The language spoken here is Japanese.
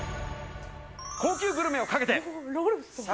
高級グルメを賭けて！